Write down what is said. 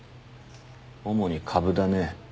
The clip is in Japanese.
主に株だね。